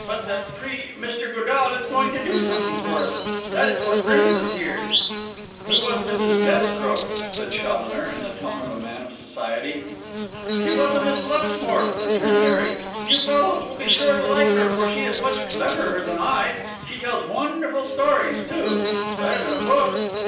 But the Pri Mr. Godall is going to do something for us. That is what brings us here.' 'Who was Mrs. Desborough?' said Challoner, in the tone of a man of society. 'She was a Miss Luxmore,' returned Harry. 'You fellows will be sure to like her, for she is much cleverer than I. She tells wonderful stories, too; better than a book.